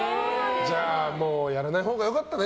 じゃあ、やらないほうが良かったね。